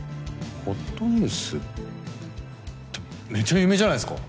ほっとニュース。ってめっちゃ有名じゃないですか。